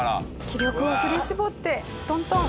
気力を振り絞ってトントン。